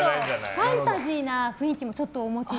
ファンタジーな雰囲気もちょっとお持ちで。